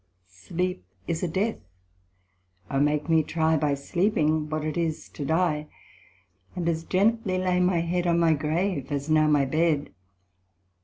Sleep is a death; O make me try, By sleeping, what it is to die; And as gently lay my head On my grave, as now my bed.